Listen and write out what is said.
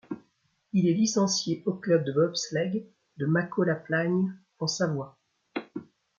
Il est licencié au club de bobsleigh de Macôt La Plagne en Savoie.